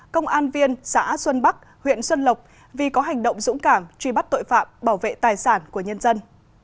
công an viên xã xuân bắc huyện xuân lộc vì có hành động dũng cảm truy bắt tội phạm bảo vệ tài sản của nhân dân